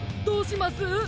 どうします？